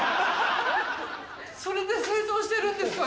それで清掃してるんですか？